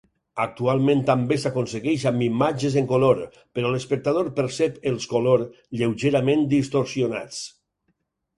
Actualment també s'aconsegueix amb imatges en color, però l'espectador percep els color lleugerament distorsionats.